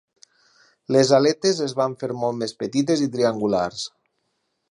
Les aletes es van fer molt més petites i triangulars.